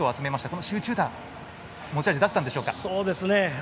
この集中打持ち味は出せたんでしょうか。